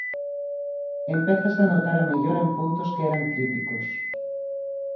Empézase a notar a mellora en puntos que eran críticos.